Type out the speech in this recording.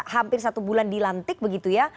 hampir satu bulan dilantik begitu ya